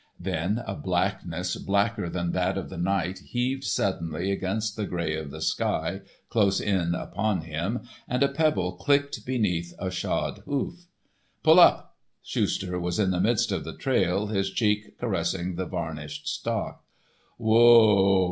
Then a blackness blacker than that of the night heaved suddenly against the grey of "the sky, close in upon him, and a pebble clicked beneath a shod hoof. "Pull up!" Schuster was in the midst of the trail, his cheek caressing the varnished stock. "Whoa!